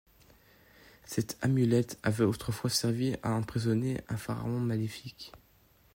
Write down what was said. Cette amulette avait autrefois servi à emprisonner un Pharaon maléfique.